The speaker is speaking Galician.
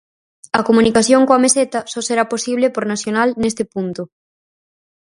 A comunicación coa Meseta só será posible por nacional neste punto.